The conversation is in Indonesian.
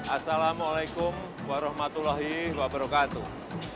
assalamualaikum warahmatullahi wabarakatuh